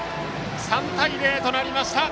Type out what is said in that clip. ３対０となりました！